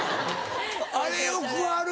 あれよくある！